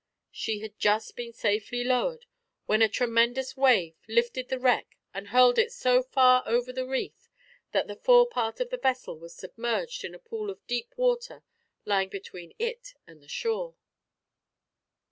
She had just been safely lowered when a tremendous wave lifted the wreck and hurled it so far over the reef that the fore part of the vessel was submerged in a pool of deep water lying between it and the shore.